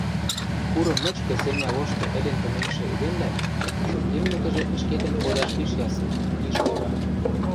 Курым мычкы семня лошты ӹлен тыменьшӹ эдемлӓн, шонгеммӹкӹжӹ, ӹшкетӹн кодаш пиш ясы, пиш ойхы.